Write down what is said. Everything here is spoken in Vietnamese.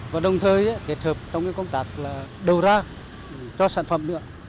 và đồng thời kết hợp trong những công tác đầu ra cho sản phẩm